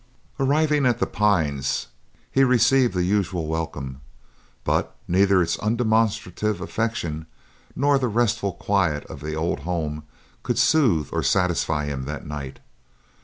Arriving at The Pines, he received the usual welcome, but neither its undemonstrative affection nor the restful quiet of the old home could soothe or satisfy him that night.